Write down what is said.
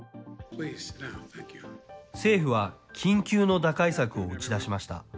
政府は、緊急の打開策を打ち出しました。